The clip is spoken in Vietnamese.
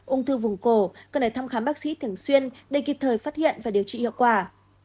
ung thư vùng cổ cần phải thăm khám bác sĩ thường xuyên để kịp thời phát hiện và điều trị hiệu quả